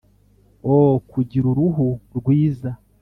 O Kugira uruhu rwiza